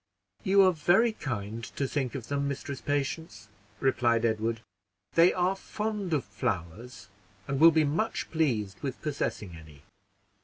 "You are very kind to think of them, Mistress Patience," replied Edward; "they are fond of flowers, and will be much pleased with possessing any."